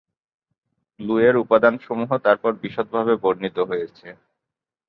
গ্নু-এর উপাদানসমূহ তারপর বিশদভাবে বর্ণিত হয়েছে।